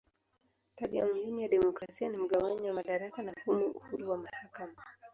Tabia muhimu ya demokrasia ni mgawanyo wa madaraka na humo uhuru wa mahakama.